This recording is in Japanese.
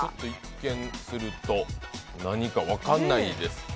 一見すると何か分からないです。